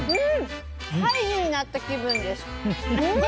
ハイジになった気分です。